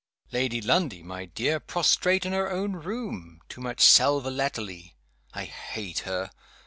Lady Lundie, my dear, prostrate in her own room too much sal volatile. I hate her.